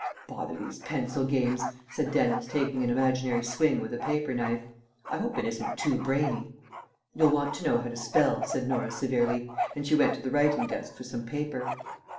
"Bother these pencil games," said Dennis, taking an imaginary swing with a paper knife. "I hope it isn't too brainy." "You'll want to know how to spell," said Norah severely, and she went to the writing desk for some paper.